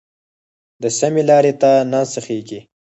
د سمې لارې ته نه سیخېږي.